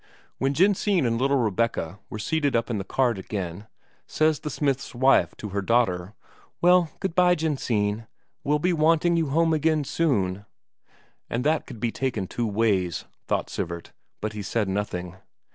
When Jensine and little Rebecca were seated up in the cart again, says the smith's wife to her daughter: "Well, good bye, Jensine; we'll be wanting you home again soon." And that could be taken two ways, thought Sivert, but he said nothing.